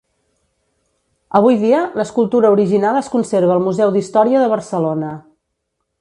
Avui dia, l'escultura original es conserva al Museu d'Història de Barcelona.